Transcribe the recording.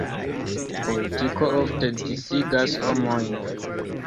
Politiko ofte disigas homojn.